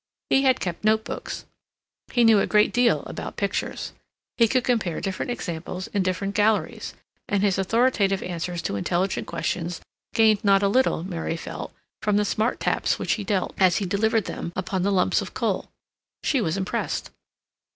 He had kept notebooks; he knew a great deal about pictures. He could compare different examples in different galleries, and his authoritative answers to intelligent questions gained not a little, Mary felt, from the smart taps which he dealt, as he delivered them, upon the lumps of coal. She was impressed.